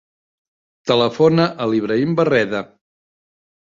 Telefona a l'Ibrahim Barreda.